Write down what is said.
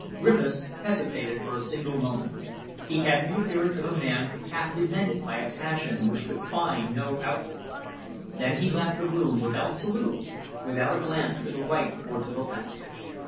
Griffiths hesitated for a single moment. He had the appearance of a man half demented by a passion which could find no outlet. Then he left the room, without salute, without a glance to the right or to the left.